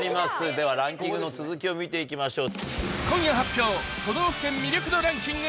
ではランキングの続きを見ていきましょう。